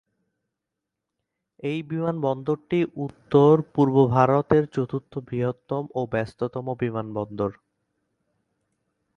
এই বিমানবন্দরটি উত্তর-পূর্ব ভারত-এর চতুর্থ বৃহত্তম ও ব্যস্ততম বিমানবন্দর।